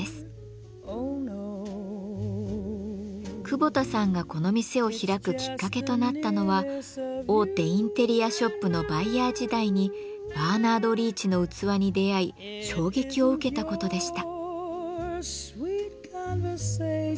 久保田さんがこの店を開くきっかけとなったのは大手インテリアショップのバイヤー時代にバーナード・リーチの器に出会い衝撃を受けたことでした。